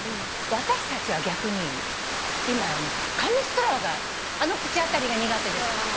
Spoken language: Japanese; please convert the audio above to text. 「私たちは逆に紙ストローがあの口当たりが苦手です」